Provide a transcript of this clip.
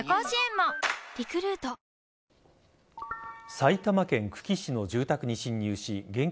埼玉県久喜市の住宅に侵入し現金